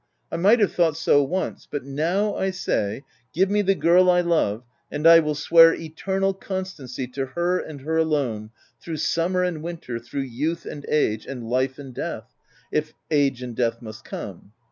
I might have thought so once, but now, I say, give me the girl I love, and I will swear eternal con stancy to her and her alone, through summer 336 THE TENANT and winter, through youth and age, and life and death ! if age and death must come."